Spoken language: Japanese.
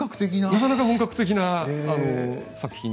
なかなか本格的な作品。